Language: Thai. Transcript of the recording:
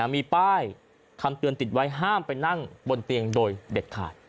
มีป้ายคำเตือนติดไว้ห้ามไปนั่งบนเตียงโดยเด็ดขาด